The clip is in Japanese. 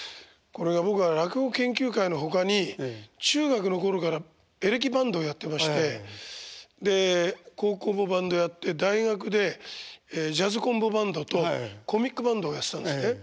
これは僕は落語研究会のほかに中学の頃からエレキバンドをやってましてで高校もバンドやって大学でジャズコンボバンドとコミックバンドをやってたんですね。